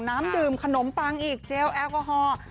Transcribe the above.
น้ำดื่มขนมปังอีกเจลแอลกอฮอล์